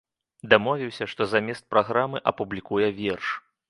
Дамовіўся, што замест праграмы апублікуе верш.